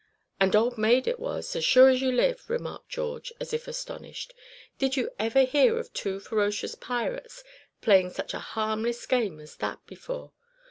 "And 'Old Maid' it was, as sure as you live," remarked George, as if astonished. "Did you ever hear of two ferocious pirates playing such a harmless game as that before?